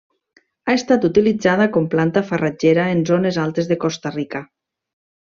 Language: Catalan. Ha estat utilitzada com planta farratgera en zones altes de Costa Rica.